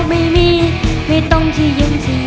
ไม่ไม่ต้องที่ยุ่งทีเลย